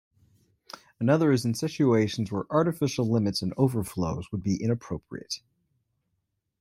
Another is in situations where artificial limits and overflows would be inappropriate.